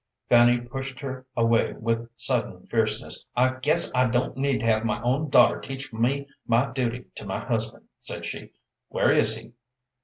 Fanny pushed her away with sudden fierceness. "I guess I don't need to have my own daughter teach me my duty to my husband," said she. "Where is he?"